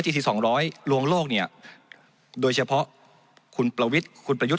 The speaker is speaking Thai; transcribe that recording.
ทีที่สองร้อยลวงโลกเนี่ยโดยเฉพาะคุณประวิทย์คุณประยุทธ์